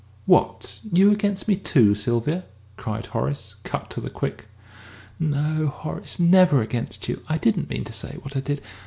"What, you against me too, Sylvia!" cried Horace, cut to the quick. "No, Horace, never against you. I didn't mean to say what I did.